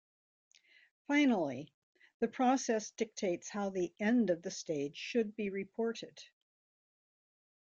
Finally, the process dictates how the end of the stage should be reported.